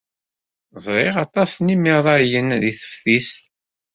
Ẓriɣ aṭas n yimerrayen deg teftist.